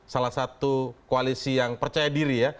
salah satu koalisi yang percaya diri ya